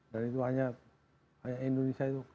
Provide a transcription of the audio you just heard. dan itu hanya indonesia itu